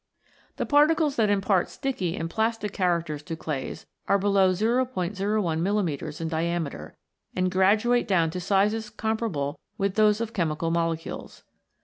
The particles that impart sticky and plastic characters to clays are below O'Ol mm. in diameter, and graduate down to sizes comparable with those of chemical molecules.